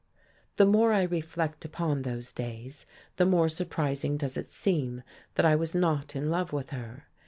The more I reflect upon those days, the more surprising does it seem that I was not in love with her.